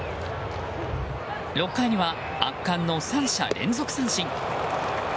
６回には、圧巻の３者連続三振。